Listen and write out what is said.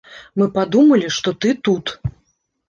Мы падумалі, што ты тут.